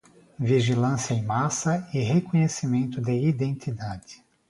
Vigilância em massa e reconhecimento de identidade